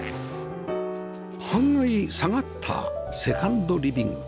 半階下がったセカンドリビング